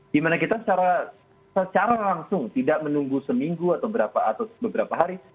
di mana kita secara langsung tidak menunggu seminggu atau beberapa hari